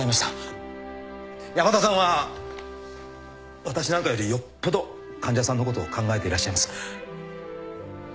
山田さんは私なんかよりよっぽど患者さんのことを考えていらっしゃいます。